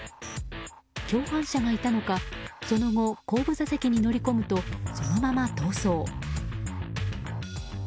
共犯者がいたのかその後、後部座席に乗り込むとそのまま逃走。